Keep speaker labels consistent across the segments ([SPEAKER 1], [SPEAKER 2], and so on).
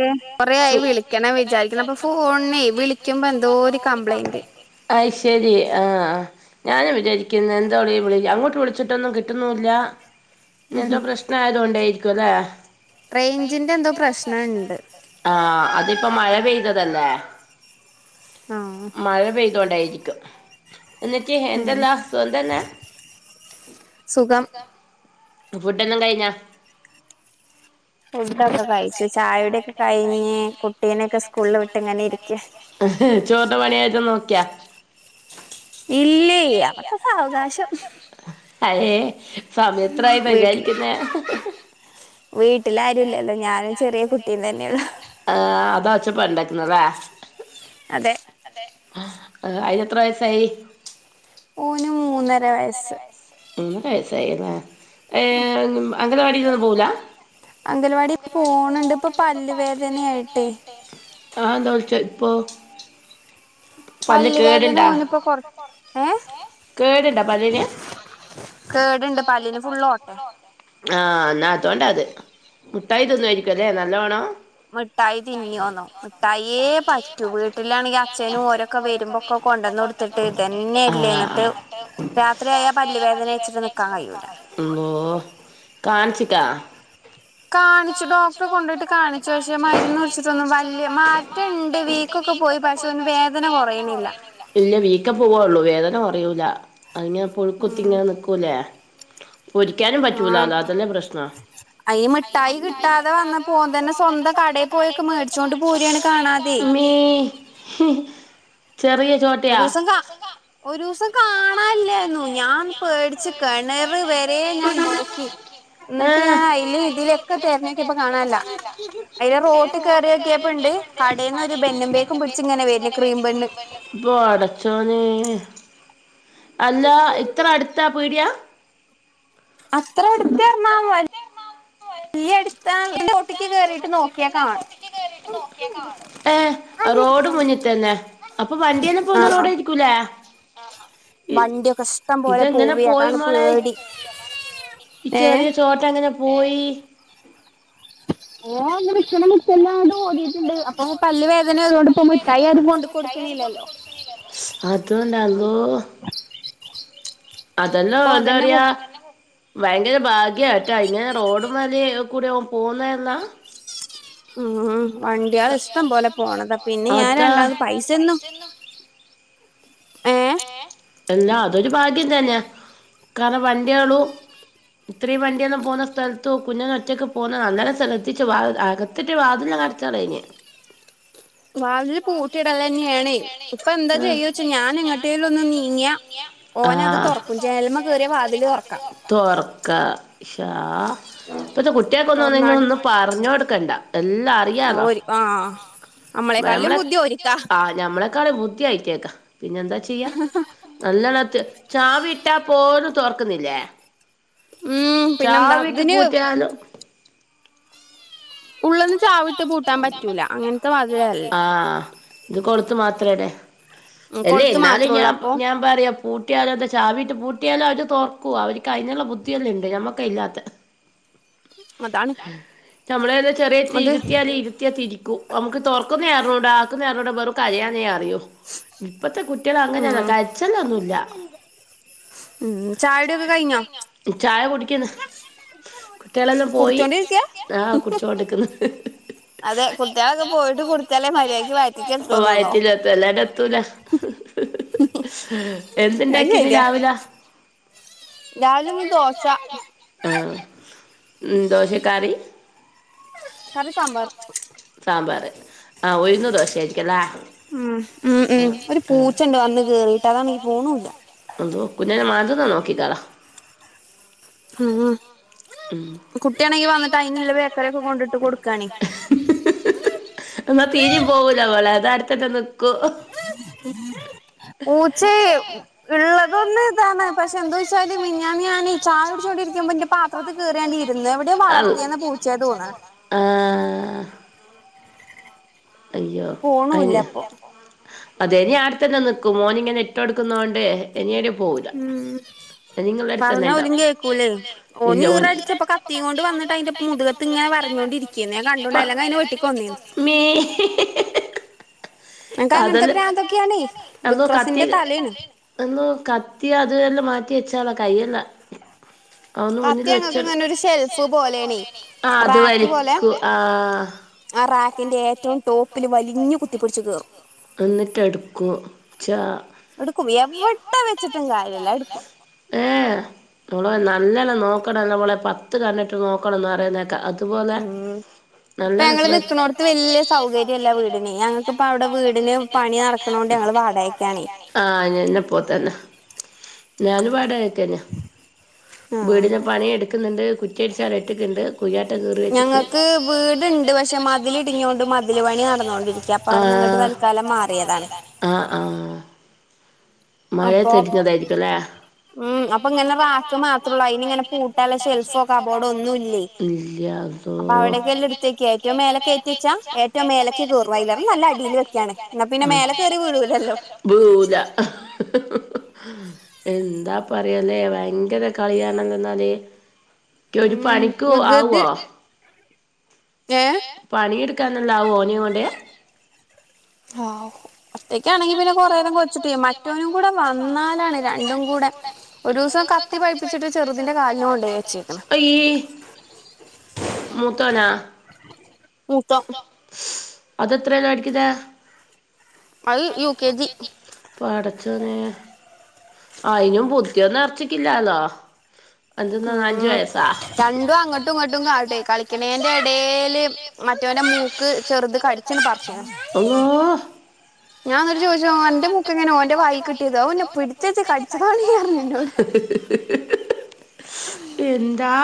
[SPEAKER 1] ക്കെ കൊറേ ആയി വിളിക്കണം വിചാരിക്കണ് അപ്പ ഫോണ്ന് വിളിക്കുമ്പോ എന്തോ ഒരു കംപ്ലൈന്റ് അയ് ശരി ആഹ് ആഹ് ഞാനും വിചാരിക്കും ന്നെന്തോടി വിളി അങ്ങോട്ട് വിളിച്ചിട്ടൊന്നും കിട്ടുന്നുംല്ല എന്തോ പ്രശ്നം ആയത് കൊണ്ടേയിരിക്കും ലേ
[SPEAKER 2] റെയ്ഞ്ചിന്റെ എന്തോ പ്രശ്നംണ്ട്
[SPEAKER 1] ആഹ് അതിപ്പം മഴ പെയ്തതല്ലേ മഴ പെയ് തോണ്ടായിരിക്കും എന്നിട്ട് എന്തെല്ലാ സുഖം തന്നെ സുഖം ഫുഡ്ന്നും കഴിഞ്ഞാ
[SPEAKER 2] ഫുഡൊക്കെ കഴിച്ചു ചായ കുടിയൊക്കെ കഴിഞ്ഞ് കുട്ടീനൊക്കെ സ്കൂളിൽ വിട്ട് ഇങ്ങനെ ഇരിക്ക
[SPEAKER 1] ചോറിന്റെ പണിയൊക്കെനോക്കിയ ഇല്ല്യേ ഇല്ലഅതൊക്കെ സാവകാശം അതേ സമയെത്രായി വിചാരിക്ക് ക്കിന്നെ
[SPEAKER 2] വീട്ടില് ആരുംല്ല്യല്ലോ ഞാൻ
[SPEAKER 1] ചെറ്യേ കുട്ടി തന്നേള്ളു ആ അതാ ഒച്ചപ്പാട് ണ്ടാക്കുന്നല്ലേ അതെ അയിന് എത്ര വയസ്സായി
[SPEAKER 2] ഓന് മൂന്നര വയസ്സ്
[SPEAKER 1] മൂന്നര വയസായില്ലേ ഏഹ് അംഗനവാടി ഒന്നും പോവൂല
[SPEAKER 2] അംഗൽവാടി പോണണ്ട് ഇപ്പൊ പല്ലുവേദനയായിട്ടേ
[SPEAKER 1] അത് ന്തൊ ചെലപ്പോ
[SPEAKER 2] പല്ല് വേദന ഓനിപ്പോ കൊറ് ഏഹ് കേട്ണ്ട് പല്ലിന് ഫുള്ളോട്ടെ
[SPEAKER 1] ആഹ എന്നാ അതുകൊണ്ട അത് മുട്ടായി തിന്നോയിരിക്കും ല്ലെ നല്ലോണം
[SPEAKER 2] മുഠായി തിന്നോന്നോ മുഠായിയേ പറ്റു വീട്ടിലാണെങ്കിൽ അച്ഛനും ഓരൊക്കെ വരുമ്പോക്കെ കൊണ്ടെന്ന് കൊടുത്ത് ത്തിട്ട് ഇതന്നെ ഇല്ലേ എന്നിട്ട് രാത്രിയായാൽ പല്ല വേദന വെച്ചിട്ട് നിക്കാൻ കഴിയൂല
[SPEAKER 1] അള്ളോ കാണിച്ചിക്ക
[SPEAKER 2] കാണിച്ചു ഡോക്ടറെ കൊണ്ടോയിട്ട് കാണിച്ചു പക്ഷെ മരുന്ന് കുടിച്ചിട്ടൊന്നും വലിയ മാറ്റണ്ട് വീ ക്കൊക്കെ പോയി പക്ഷെ ഓന് വേദന കൊറയണില്ല
[SPEAKER 1] ഇല്ല വീക്കം പോവൊള്ളൂ വേദന കൊറയൂല അങ്ങനെ പുഴുക്കുത്തി ഇങ്ങനെ നിക്കൂലേ പൊരിക്കാനും
[SPEAKER 2] ആഹാ അയ് മിഠായി കിട്ടാതെ വന്നപ്പൊ ഓൻ തന്നെ സ്വന്തം കടെ
[SPEAKER 1] കടെയിൽ പോയൊക്കെ മേടിച്ചോണ്ട് പോരാണ് കാണാതെ മ്മേ
[SPEAKER 2] ഒരോസം കാ ഒരോസം കാണാല്ല്യാര്ന്നു ഞാൻ പേടിച്ച് കെണർ വരേ ഞാൻ നോക്കി ന്നിട്ട് ഞാൻ അയില് ഇതിലൊക്കെ തെരഞ്ഞൊക്കിയപ്പോ കാണാല്ല്യ അയില് റോട്ട് കേറി നോക്കിയപ്പ ഇണ്ട് കടേന്ന് ഒരു ബെന്നുംപേക്കുംപിടിച്ച് ഇങ്ങനെ വര്ന്ന് ക്രീം ബണ്ണ്
[SPEAKER 1] പടച്ചോനേ അല്ല ഇത്ര അടുത്താ പീടിയാ
[SPEAKER 2] അത്ര അടുത്ത് പർഞ്ഞാ വല്യ അട് ത്താ ന്ന് റോട്ടിക്ക് കേറിയിട്ട് നോ ക്യാ കാണും
[SPEAKER 1] നോക്കിയാ കാണും ഏ റോഡ് മുന്നിൽത്തന്നെ അപ്പൊ വണ്ടിയൊന്നും പോവ്ന്ന റോഡായിരി ക്കുലേ ഇതെങ്ങനെ പോയി മോളെ പേടി ഈ ചെറിയ ചോട്ട എങ്ങനെ പോയി
[SPEAKER 2] ഓൻ ഇങ്ങനെ നിക്കണ എല്ലാം അത് ഓടിയിട്ടുണ്ട് അപ്പൊ പല്ല് വേദനയായതുകൊണ്ട് ഇപ്പോ മിഠായി ആരും കൊണ്ട് കൊടുക്ക്ണില്ലല്ലോ
[SPEAKER 1] അതോണ്ടാ ള്ളോ
[SPEAKER 2] [unintelligible]
[SPEAKER 1] അതെല്ലാം എന്താ പറയാ ഭയങ്കര ഭാഗ്യാട്ടാ ഇങ്ങനെ റോഡു മമൽ കൂടെയൊക്കെ പോവുന്ന എന്നാ
[SPEAKER 2] ഉം വണ്ടിയള് ഇഷ്ടം പോലെ പോണതാ പിന്നെ ഞാൻ രണ്ടാമത് പൈസയൊന്നും
[SPEAKER 1] ഏഹ് എല്ലാ അതൊരു ഭാഗ്യം തന്നെയാ കാരണം വണ്ടിയാളും ഇത്രയും വണ്ടിയല്ലം പോവുന്ന സ്ഥലത്തോ കുഞ്ഞിന് ഒറ്റയ്ക്ക് പോകുന്ന നല്ലണം ശ്റദ്ദിച്ച് വാതിൽ ആക- ത്തിട്ട് വാതിലങ് അടച്ചാളയിന്
[SPEAKER 2] വാതില് പൂട്ടിയിടലന്നെയാണേ ഇപ്പൊ എന്താ ചെയ്യാച്ചാ ഞാ- ഞാൻ എങ്ങട്ടേലൊന്ന് നീങ്ങിയാ ഓന് അത് തുറക്കും ജനല്മ്മ കേറിയാ വാതിൽ തുറക്കാം
[SPEAKER 1] തോർക്കാ ഷാ ഇപ്പത്തെ കുട്ടിയക്കൊന്നും അയിന് ഒന്നും പറഞ്ഞ് കൊടുക്കണ്ട എല്ലാം അറിയാലോ ആ ഞമ്മളെക്കാളും ബുദ്ധി ആയിട്ടിയക്കാ പിന്നെ എന്താ ചെയ്യ അല്ലളെ ചാവി ഇട്ടാ പോലും തോറക്കുന്നില്ലേ ചാവിയിട്ട് പൂട്ടിയാലും ആഹ് ഇത് കൊളുത്ത് മാത്രേടാ അല്ലേ എന്നാലും ഞാൻ ഞാൻ പറയാ പൂട്ടിയാലും എന്താ ചാവിയിട്ട് പൂട്ടിയാലും അവന് തുറക്കും അവന്ക്ക് അതിനുള്ള ബുദ്ധിയെല്ലം ഉണ്ട് നമുക്കാ ഇല്ലാത്തെ
[SPEAKER 2] [inaudible]
[SPEAKER 1] നമ്മളേതോ ചെറിയ തീ കത്തിയാല് ഇരുത്തിയാ തിരിക്കൂ നമ്മുക്ക് തുറക്കുന്നേം അറിഞ്ഞൂടാ ആക്കുന്നേം അറിഞ്ഞൂടാ വെറും കരയാനേ അറിയൂ ഇപ്പത്തെ കുട്ടികൾ അങ്ങനെയല്ല [unintelligible] ഒന്നുല്ല
[SPEAKER 2] ഉം ചായകുടിയൊക്കെ കഴിഞ്ഞോ
[SPEAKER 1] ചായ കുടിക്കിന്ന് കുട്ടികളെല്ലാം പോയി ആഹ് കുടി- തോടക്കുന്നു വയറ്റിലെത്തൂ അല്ലാണ്ട് എത്തൂല എന്തുണ്ടാക്കി ഇന്ന് രാവിലെ
[SPEAKER 2] രാവിലെ ഇന്ന് ദോശ
[SPEAKER 1] ആഹ് ഉം ദോശക്ക് കറി സാമ്പാർ ആഹ് ഉഴുന്ന് ദോശ ആയിരിക്കും അല്ലേ
[SPEAKER 2] ഉം ഉം ഉം ഒരു പൂച്ചണ്ട് വന്ന് കേറിയിട്ട് അതാണെങ്കിൽ പോണു ഇല്ല
[SPEAKER 1] അള്ളോ കുഞ്ഞിനെ മാന്തുന്നോ നോക്കിക്കടാ
[SPEAKER 2] ഉം ഉം കുട്ടിയാണെങ്കി വന്നിട്ട് അതിനുള്ള ബേക്കറി ഒക്കെ കൊണ്ടിട്ട് കൊടുക്കു ആണേ [unintelligible]
[SPEAKER 1] എന്നാൽ തീരേം പോകൂല പോളെ അത് അട്ത്തന്നെ നിക്കൂം
[SPEAKER 2] പൂച്ചേ ഉള്ളതൊന്ന് ഇതാണ് പക്ഷെ എന്തോന്ന് വെച്ചാൽ മിനഞ്ഞാന്ന് ഞാൻ ചായ കുടിച്ചോണ്ടിരിക്കുംബോ ഇൻറ- പാത്രത്തിൽ കയറിയങ്ങ് ഇരുന്ന് എവിടെയോ വളർത്തിയ പൂച്ചയാ തോന്ന
[SPEAKER 1] ആഹ് അയ്യോ അതിന് അതെ ഇനി അവിടെത്തന്നെ നിക്കും മോനിങ്ങനെ ഇട്ട് കൊടുക്കുന്നോണ്ട് ഇനിയോര് പോവൂല്ല
[SPEAKER 2] പറഞ്ഞാ ഓലും കേൾക്കൂലേ ഓന് ഈറ പിടിച്ചപ്പൊ കത്തിം കൊണ്ട് വന്നിട്ട് അതിന്റെ മുതുകത്ത് ഇങ്ങനെ വരഞ്ഞോണ്ടിരിക്കും ഇത് ഞാൻ കണ്ടോണ്ട് അല്ലെങ്കി അയിനെ വെട്ടികൊന്നീന്ന്
[SPEAKER 1] ഹിഹി ഹിഹി ഹി
[SPEAKER 2] അവനിക്ക് അങ്ങനത്തെ പ്രാന്തൊക്കെയാണേ വിക്രസിന്റെ തലയാണ്
[SPEAKER 1] എന്നു കത്തി അത് എല്ലാം മാറ്റി വെച്ചാളാ കയ്യല്ല [unintelligible] ആഹ് അത് വലിക്കൂം ആഹ്
[SPEAKER 2] ആ റാക്കിന്റേ
[SPEAKER 1] ഏറ്റവും ടോപ്പിൽ വലിഞ്ഞു കുത്തി പിടിച്ചു കേറുംഎന്നിട്ടടുക്കും ചാ
[SPEAKER 2] എടുക്കും എവിട വെച്ചിട്ടും കാര്യല്ല എടുക്കും
[SPEAKER 1] ഏഹ് നമ്മള നല്ലല്ല നോക്കണംല്ലളെ പത്ത്കണ്ണിട്ടു നോക്കണം എന്ന് പറയുന്നേക്ക ഇതുപോലെ നല്ല [unintelligible]
[SPEAKER 2] വലിയ സൗകര്യംഇല്ല വീടിന് ഞങ്ങൾക്കിപ്പ അവിടെ വീടിന് പണി നടക്കണൊണ്ട് ഞങ്ങൾ വാടകക്ക് ആണ്
[SPEAKER 1] ആഹ്‌ എന്നെപ്പോ തന്നെ ഞാന് പാട വീടിന് പണി എടുക്കുന്നുണ്ട് കുറ്റടിച്ചാല ഇട്ടക്കണ്ട് കുയ്യാട്ട കീറി വെച്ചക്ക് ഞങ്ങക്ക്
[SPEAKER 2] ഉണ്ട് പക്ഷെ മതില് ഇടിഞ്ഞോണ്ട് മതില് പണി നടന്നുകോണ്ടിരിക്കുക അപ്പ അവിടെ ഇങ്ങോട്ട് തൽക്കാലം മാറിയതാണ്
[SPEAKER 1] ആഹ് ആഹ് മഴയത്ത് ഇടിഞ്ഞതായിരിക്കും അല്ലേ
[SPEAKER 2] ഉം അപ്പൊ ഇങ്ങനെ റാക്ക് മാത്രേള്ളൂ അയിനി ഇങ്ങനെ പൂട്ടാല ഷെൽഫോ കബോർഡോ ഒന്നും ഇല്ലേ അപ്പൊ അവിടേക്കെ എല്ലാം ഇടുത്തേക്ക ഏറ്റോം മേല കേറ്റിവെച്ച ഏറ്റവും മേലയ്ക്ക് കയറുവായില്ലാരും അതിലും നല്ലത് അടിയിൽ വക്കയാണ് എന്നാ പിന്നെ മേല കയറി വീഴൂലല്ലോ
[SPEAKER 1] വീഴുള എന്താ പറയല്ലേ ഭയങ്കര കളിയാനല്ലോ ന്നാലേ ക്യരു പണിക് ആവോ
[SPEAKER 2] ഏഹ്
[SPEAKER 1] പണിയെടുക്കാനെല്ലാ ഓനെ കൊണ്ട്
[SPEAKER 2] ആഹ് അത്തക്കാണെങ്കി പിന്നെ കൊറേ നേരം കൊച്ചിട്ട് ചെയ്യ മറ്റവനും കൂടെ വന്നാലാണ് രണ്ടും കൂടെ ഒരൂസം കത്തി പഴിപ്പിച്ചിട്ട് ചെറുതിന്റെ കാൽന് കൊണ്ടയിചേക്കണ്
[SPEAKER 1] മൂത്തോനാ അതെത്രലട്ക്ണ് യുകെജി പാടച്ചോനെ ആയിനും ബുദ്ധിയൊന്നും ഇറച്ചിക്കില്ലാലോ അഞ്ചന്ന അഞ്ചു വയസാ
[SPEAKER 2] രണ്ടും അങ്ങട്ടും ഇങ്ങട്ടും കാട്ടെ കളിക്കണേന്റെടേല് മറ്റവന്റെ മൂക്ക് ചെറുത് കടിച്ചന്ന് പറിച്ചീണ്
[SPEAKER 1] അള്ളോ
[SPEAKER 2] ഞാൻ ന്നട് ചോദിച്ചോ അന്റെ മുക്കങ്ങനോ ഓൻ്റെ വായ് കിട്ടിയത് ഓൻ ന്നെ പിടിച്ചെച്ച് കടിച്ചതാണ് ന്നറിഞ്ന്നോട്
[SPEAKER 1] ഹ ഹ ഹ
[SPEAKER 2] ഉം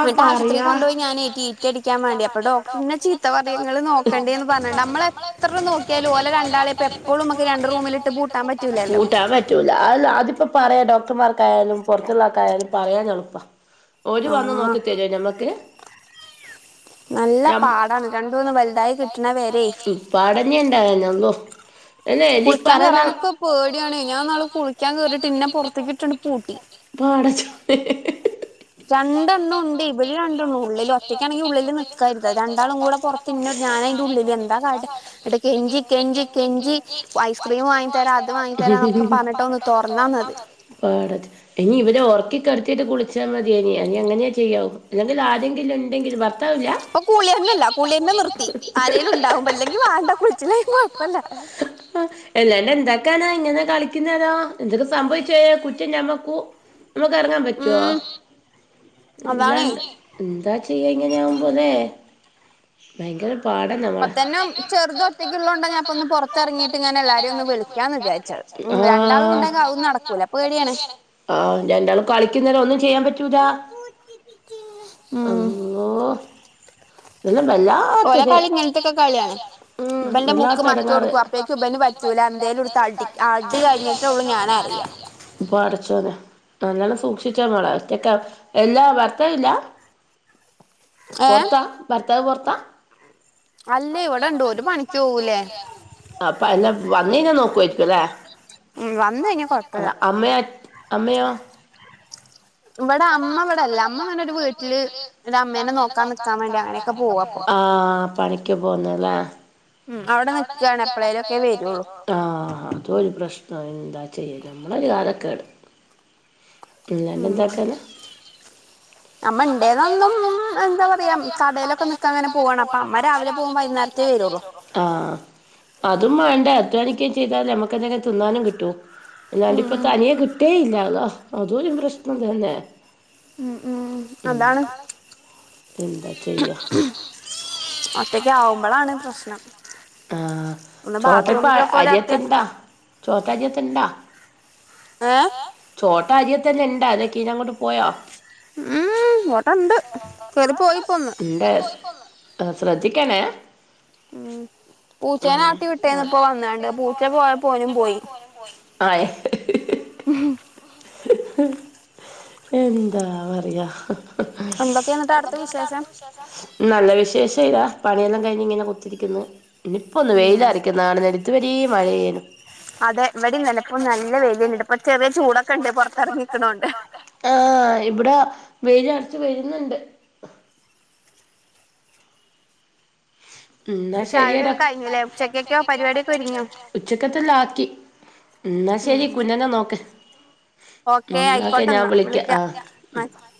[SPEAKER 2] എന്നട്ട് ആശുപത്രിയിൽ കൊണ്ടോയി ഞാന് ടി ടി അടിക്കാൻ വേണ്ടി അപ്പൊ ഡോക്ടറിന്റെ ചീത്ത പറയ ങ്ങള് നോ ക്കണ്ടേന്ന് പറഞ്ഞണ്ട് നമ്മള എത്ര നോക്കിയാലും ഓലെ രണ്ടാളെ ഇപ്പോ എപ്പോളു നമുക്ക് രണ്ട് റൂമിലിട്ട് പൂട്ടാൻ പറ്റൂല്ലല്ലോ
[SPEAKER 1] പറ്റൂല അല്ല അതിപ്പ പറയാ ഡോക്ടർമാർക്കായാലും പുറത്തുള്ളാർക്കായാലും പറയാൻ ളുപ്പ ഓര് വന്ന് നോക്കി തരൊ ഞമ്മക്ക്
[SPEAKER 2] നല്ല പാടാണ് രണ്ടോന്ന് വലുതായി കിട്ടണ വരെ കുളിക്കാൻ കേറാനൊക്കെ പേടിയാണ് ഞാൻന്നാള് കുളിക്കാൻ കേറിട്ട് ഇന്നെ പുറത്തേക്കിട്ടണ്ട് പൂട്ടി
[SPEAKER 1] പടച്ചോനെ
[SPEAKER 2] രണ്ടെണ്ണം ഉണ്ട് ഇവല് രണ്ടണ്ണം ഉള്ളിൽ ഒറ്റക്കാണെങ്കിൽ ഉള്ളിൽ നിൽക്കാരുത് രണ്ടാളും കൂടെ പുറ പിന്നെ ഞാൻന് അയിന്റെറ ഉള്ളില് എന്താ കാട്ടെ ന്നട്ട് കെഞ്ചി കെഞ്ചി കെഞ്ചി ഐസ്ക്രീം വാങ്ങി തരാ അത് വാങ്ങി തരാന്നൊക്കെ പറഞ്ഞട്ടോന്ന് തുറന്നന്നത്
[SPEAKER 1] പാടത് ഇനി ഇവരെ ഉറക്കിക്കടുത്തിട്ട് കുളിച്ചാ മതിയനി അനി അങ്ങനെയാ ചെയ്യാവും അല്ലെങ്കിൽ ആരെങ്കിലും ഉണ്ടെങ്കില് ഭർത്താവില്ല
[SPEAKER 2] ഇപ്പൊ കൂളിന്നെല്ല കൂളിന്നെ നിർത്തി ആരേലുണ്ടാവുമ്പോ ല്ലെങ്കി വാണ്ട കുളിച്ചില്ലേ കൊഴപ്പല്ല
[SPEAKER 1] അഹ് അല്ലാണ്ട് എന്തക്കാനാ ഇങ്ങനെ കളിക്കുന്നതോ എന്തൊക്കെ സംഭവിച്ചോയ കുറ്റം ഞമ്മക്കൂ നമുക്ക് ഇറങ്ങാൻ പറ്റുവോ ഇല്ലാണ്ട് എന്താ ചെയ്യ ഇങ്ങനാഉമ്പോലെ ഭയങ്കര
[SPEAKER 2] ഇപ്പതന്നെ ചെറുതൊ ഒറ്റക്ക്ള്ളോണ്ട ഞാൻ ഇപ്പൊന്ന് പൊറത്തെറങ്ങിട്ട് ഇങ്ങനെ എല്ലാരും ഒന്ന് വിളിക്കാന്ന് വിചാരിച്ചഹ് ഉം രണ്ടാളുണ്ടെങ്കി അതും നടക്കൂല പേടിയാണ്
[SPEAKER 1] ആഹ് രണ്ടാളും കളിക്കുന്നേരം ഒന്നും ചെയ്യാൻ പറ്റൂലാ അങ്ങോ എല്ലാം വെല്ലാത്തൊര് ഉം വെല്ലാത്ത എടങ്ങാറ്
[SPEAKER 2] ത് ബന് പറ്റൂല്ല എന്തേലുട്ത്ത് അടി അടി കയിഞ്ഞ്ട്ടൊള്ളൂ ഞാനറിയാ
[SPEAKER 1] പാടച്ചോനെ നല്ലണം സൂക്ഷിച്ച മോള ഒറ്റക്ക എല്ലാ ഭർത്താവില്ല പൊറത്താ ഭർത്താവ് പൊറത്താ
[SPEAKER 2] അല്ലേ ഇവിടെണ്ട് ഓര് പണിയ്ക്കോവൂലേ
[SPEAKER 1] അപ്പ അല്ല വന്നയ്ഞ്ഞ നോക്കുവയിരിക്കുല്ലേ അമ്മീ അയ് അമ്മയോ
[SPEAKER 2] ഇവടെ അമ്മ ഇവടെല്ല അമ്മങ്ങനെ ഒരു വീട്ടില് ഒരു അമ്മേനെ നോക്കാൻ നിക്കാൻ വേണ്ടി അങ്ങനെ
[SPEAKER 1] ആഹ് പണിയ്ക്ക് പോവുന്നല്ലെ
[SPEAKER 2] ഉും അവിടെ നിക്കാണ്. എപ്പളേലൊക്കെ വെരൊള്ളൂ
[SPEAKER 1] ആഹ് അതൊരു പ്രശ്നാന് ന്താ ചെയ്യ നമ്മളൊരു കാലക്കേട്. പിള്ളേരെന്താക്കാന
[SPEAKER 2] [inaudible] അമ്മ ഇണ്ടേന്നന്നും എന്താ പറയാ കടേലൊക്കെ നിക്കാങ്ങനെ പോവാണ്. അപ്പൊ അമ്മ രാവിലെ പോവും വൈന്നാരം തെ വെരോള്ളൂ.
[SPEAKER 1] ആഹ് അതും മാണ്ടേ അധ്വാനിക്കെ ചെയ്താല്ലെ നമ്മുക്ക് എന്തെലും തിന്നാനും കിട്ടൂ. അല്ലാണ്ടി ഇപ്പൊ തനിയെ കിട്ടേയില്ല. അതും ഒരു പ്രശ്നം തന്നെ. ഉും അതാണ്. എന്താ ചെയ്യാ
[SPEAKER 2] ഒറ്റയ്ക്ക് ആവുമ്പളാണ് പ്രശ്നം.
[SPEAKER 1] ആഹ് ചോട്ട ഇപ്പ അരിയത്ത്ണ്ടാ ചോട്ട അരിയത്ത്ണ്ടാ?
[SPEAKER 2] ഏഹാ
[SPEAKER 1] ചോട്ട അരിയത്തെന്നെണ്ടാ? അതൊ കീഞ്ഞങ്ങോട്ട് പോയോ?
[SPEAKER 2] ഉും ഇവടണ്ട്. കേറി പോയിപ്പോന്ന്.
[SPEAKER 1] ഇൻ്റെ ശ്രദ്ധിക്കണേ
[SPEAKER 2] ഉും പൂച്ചേനാട്ടി വിട്ടേന്ന് ഇപ്പോ വന്നാണ്ട്. പൂച്ച പോയപ്പോനും പോയി
[SPEAKER 1] ആയ് [unintelligible]
[SPEAKER 2] ഉുഹും
[SPEAKER 1] ഹും ഹു എന്താ പറയ എന്തൊക്ക്യ ന്നട്ട് അവടത്തെ വിശേ നല്ല വിശേഷ ഇതാ പണിയെല്ലാം കഴിഞ്ഞ് ഇങ്ങനെ കുത്തിരിക്ക്ന്ന്. ഇനിപ്പൊന്ന് വെയില് അറിക്കുന്ന കാണ്ന്ന് ഇത് വരീം മഴയായിര്ന്ന്
[SPEAKER 2] അതെ ഇവടിം തന്നപ്പോ നല്ല വെലിയുണ്ട്. ഇപ്പൊ ചെറിയ ചൂട
[SPEAKER 1] ചൂടക്കണ്ട് പൊറത്തറങ്ങിക്ക് ണോണ്ട്. ആഹ ഇവിടെ വെയില് അറച്ച് വരുന്നുണ്ട്. ഉും ന്നാ ശെരിയടാ ഉച്ചക്കത്തെല്ലാക്കി. ഇന്നാ ശെരി കുഞ്ഞനെ നോക്ക്. ഇന്നാ ഒക്കെ ഞാൻ വിളിക്കാം ആഹ്.
[SPEAKER 2] [unintelligible]